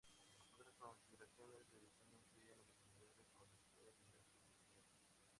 Otras consideraciones de diseño incluyen la visibilidad del conductor y la suspensión.